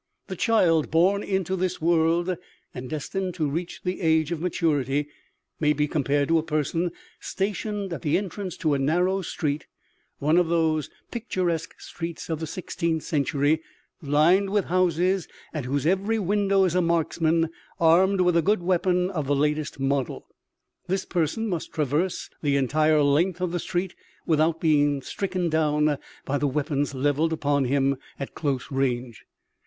The child born into this world, and destined to reach the age of maturity, may be compared to a person stationed at the entrance to a narrow street, one of those picturesque streets of the sixteenth century, lined with houses at whose every window is a marksman armed with a good weapon of the latest model. This person must traverse the entire length of the street, without being stricken down by the weapons levelled upon him at close range.